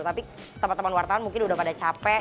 tapi teman teman wartawan mungkin udah pada capek